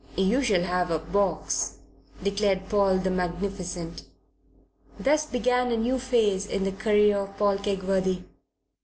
"You shall have a box," declared Paul the magnificent. Thus began a new phase in the career of Paul Kegworthy.